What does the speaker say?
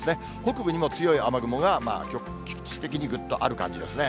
北部にも強い雨雲が局地的にぐっとある感じですね。